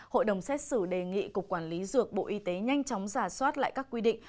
hội đồng xét xử đề nghị cục quản lý dược bộ y tế nhanh chóng giả soát lại các quy định